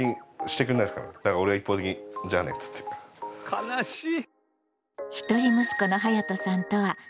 悲しい！